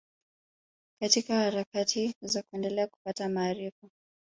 Katika harakati za kuendelea kupata maarifa